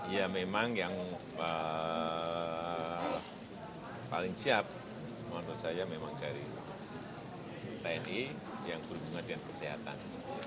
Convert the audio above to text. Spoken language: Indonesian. ya memang yang paling siap menurut saya memang dari tni yang berhubungan dengan kesehatan